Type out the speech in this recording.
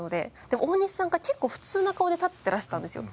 大西さんが結構普通な顔で立っていらっしゃったんですよ。